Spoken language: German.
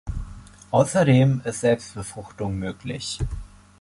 Außerdem ist Selbstbefruchtung möglich.